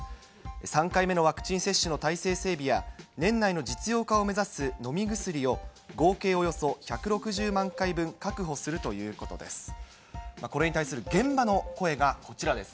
３回目のワクチン接種の体制整備や、年内の実用化を目指す飲み薬を、合計およそ１６０万回分確保するということです。